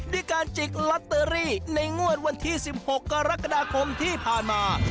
ด้วยการจิกลอตเตอรี่ในงวดวันที่๑๖กรกฎาคมที่ผ่านมา